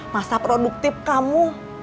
masa produktif kamu